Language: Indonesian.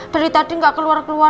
dari tadi nggak keluar keluar